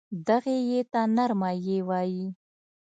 دغې ی ته نرمه یې وايي.